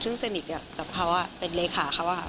ซึ่งสนิทกับเขาเป็นเลขาเขา